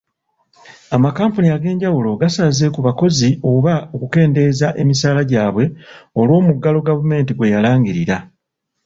Amakampuni ag'enjawulo gasaze ku bakozi oba okukendeeza emisaala gyabwe olw'omuggalo gavumenti gweyalangirira.